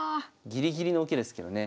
ギリギリの受けですけどね。